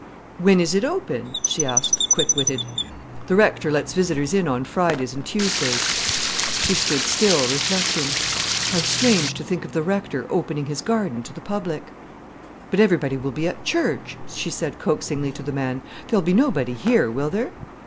"When is it open?" she asked, quick witted. "The rector lets visitors in on Fridays and Tuesdays." She stood still, reflecting. How strange to think of the rector opening his garden to the public! "But everybody will be at church," she said coaxingly to the man. "There'll be nobody here, will there?"